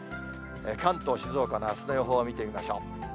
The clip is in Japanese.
関東、静岡のあすの予報を見てみましょう。